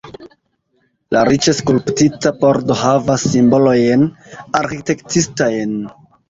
La riĉe skulptita pordo havas simbolojn arĥitektistajn.